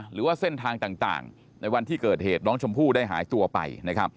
หรือว่าเส้นทางต่างในวันที่เกิดเหตุน้องชมพู่ได้หายตัวไปนะครับ